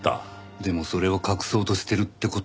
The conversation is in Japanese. でもそれを隠そうとしてるって事は。